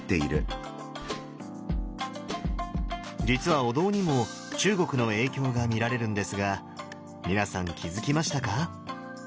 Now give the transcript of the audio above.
実はお堂にも中国の影響が見られるんですが皆さん気付きましたか？